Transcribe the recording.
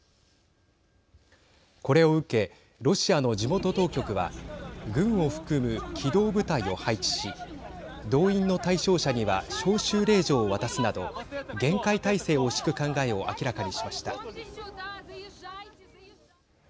これを受け、ロシアの地元当局は軍を含む機動部隊を配置し動員の対象者には招集令状を渡すなど厳戒態勢を敷く考えを明らかにしました。